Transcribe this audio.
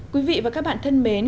quý vị và các bạn thân mến